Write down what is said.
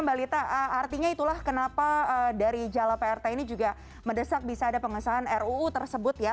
mbak lita artinya itulah kenapa dari jala prt ini juga mendesak bisa ada pengesahan ruu tersebut ya